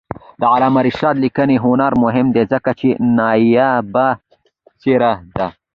د علامه رشاد لیکنی هنر مهم دی ځکه چې نایابه څېره ده.